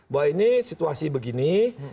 bahwa ini situasi begini